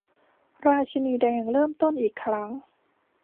ราชินีแดงเริ่มต้นอีกครั้ง